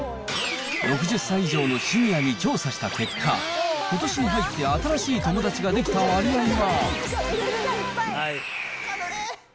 ６０歳以上のシニアに調査した結果、ことしに入って新しい友達ができた割合は、１７％。